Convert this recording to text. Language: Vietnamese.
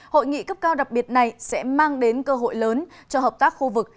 hội nghị cấp cao đặc biệt này sẽ mang đến cơ hội lớn cho hợp tác khu vực